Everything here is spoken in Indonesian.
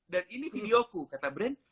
dan ini videoku kata brand